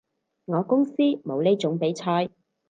我公司冇呢種比賽